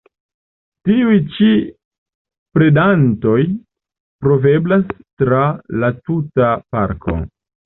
Tiuj ĉi predantoj troveblas tra la tuta parko.